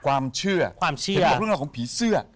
ความเชื่อเห็นบทเรื่องของผีเสื้อ